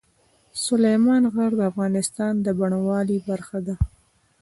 سلیمان غر د افغانستان د بڼوالۍ برخه ده.